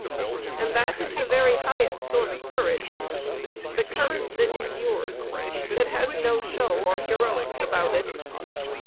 And that is the very highest sort of courage, the courage that endures, that has no show or heroics about it.